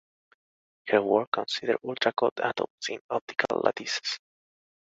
Her work considered ultra cold atoms in optical lattices.